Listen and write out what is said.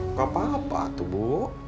nggak apa apa tuh bu